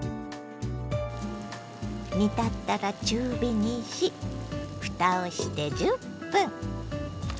煮立ったら中火にしふたをして１０分。